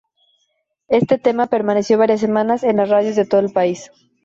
Este tema permaneció varias semanas en las radios de todo el país.